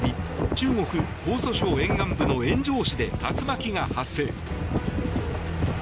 中国・江蘇省沿海部の塩城市で竜巻が発生。